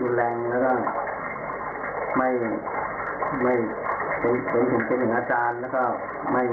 คนนึงแม่กับย่าไปกับพ่อไม่ไป